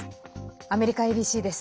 アメリカＡＢＣです。